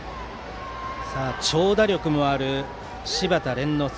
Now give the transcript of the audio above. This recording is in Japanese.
長打力もある柴田廉之助。